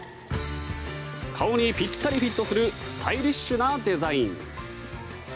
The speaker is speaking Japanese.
顔にぴったりフィットするスタイリッシュなデザイン。